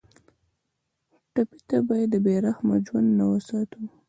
ټپي ته باید د بې رحمه ژوند نه وساتو.